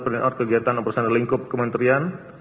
peringkat kegiatan operasional lingkup kementerian